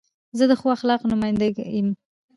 زه د ښو اخلاقو نماینده یم.